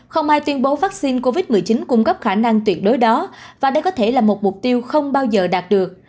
không ai tuyên bố vaccine covid một mươi chín cung cấp khả năng tuyệt đối đó và đây có thể là một mục tiêu không bao giờ đạt được